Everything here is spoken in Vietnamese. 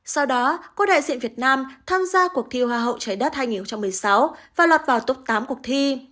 sau đó cô đại diện việt nam tham gia cuộc thi hoa hậu trái đất hai nghìn một mươi sáu và lọt vào tốc tám cuộc thi